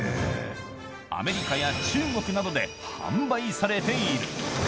アメリカや中国などで、販売されている。